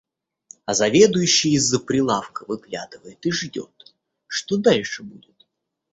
А заведующий из-за прилавка выглядывает и ждёт, что дальше будет.